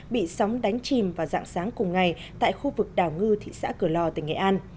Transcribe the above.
bị sóng đánh chìm vào dạng sáng cùng ngày tại khu vực đảo ngư thị xã cửa lò tỉnh nghệ an